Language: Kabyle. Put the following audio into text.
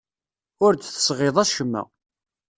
Ur d-tesɣiḍ acemma.